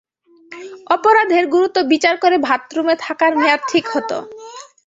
অপরাধের গুরুত্ব বিচার করে বাথরুমে থাকার মেয়াদ ঠিক হত।